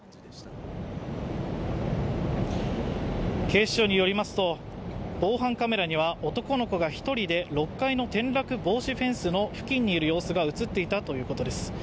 警視庁によりますと防犯カメラには男の子が１人で６階の転落防止フェンスの付近にいる様子が映っていたということです。